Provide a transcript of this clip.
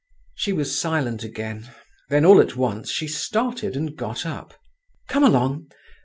She was silent again, then all at once she started and got up. "Come along.